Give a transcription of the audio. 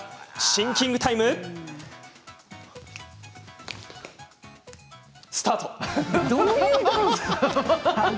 シンキングタイムスタート！